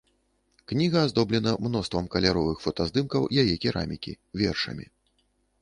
Кніга аздоблена мноствам каляровых фотаздымкаў яе керамікі, вершамі.